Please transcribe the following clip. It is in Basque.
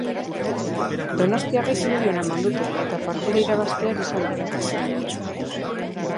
Donostiarrek irudi ona eman dute, eta partida irabaztear izan dira.